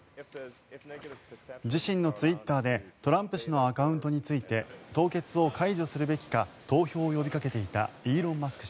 自身のツイッターでトランプ氏のアカウントについて凍結を解除するべきか投票を呼びかけていたイーロン・マスク